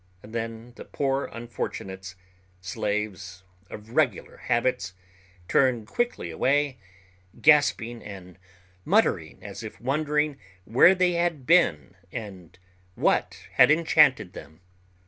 Then the poor unfortunates, slaves of regular habits, turn quickly away, gasping and muttering as if wondering where they had been and what had enchanted them.